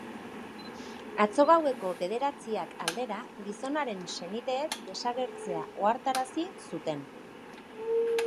Atzo gaueko bederatziak aldera, gizonaren senideek desagertzea ohartarazi zuten.